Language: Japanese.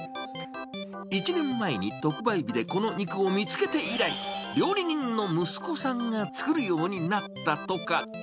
１年前に特売日でこの肉を見つけて以来、料理人の息子さんが作るようになったとか。